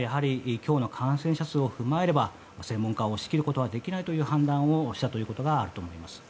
ただ、それを踏まえれば、専門家は押し切ることができないという判断をしたということがあると思います。